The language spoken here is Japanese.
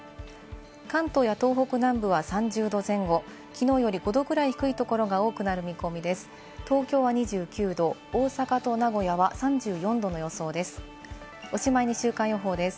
関東や東北南部は３０度前後、きのうより５度ぐらい低いところが多くなる見込みです。